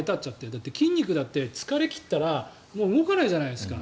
だって筋肉だって疲れ切ったらもう動かないじゃないですか。